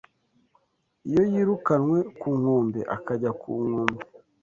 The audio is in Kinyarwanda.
Iyo yirukanwe ku nkombe akajya ku nkombe